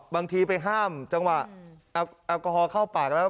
บางทีไปห้ามจังหวะแอลกอฮอลเข้าปากแล้ว